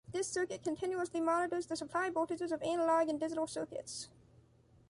This circuit continuously monitors the supply voltages of analog and digital circuits.